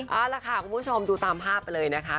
เอาล่ะค่ะคุณผู้ชมดูตามภาพไปเลยนะคะ